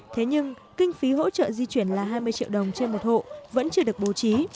thế nhưng kinh phí hỗ trợ di chuyển là hai mươi triệu đồng trên một hộ vẫn chưa được bố trí